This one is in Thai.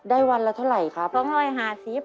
วันละเท่าไหร่ครับ